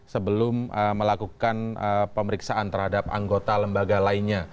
sebelum melakukan pemeriksaan terhadap anggota lembaga lainnya